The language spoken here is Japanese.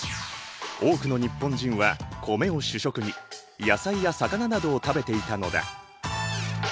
多くの日本人は米を主食に野菜や魚などを食べていたのだ。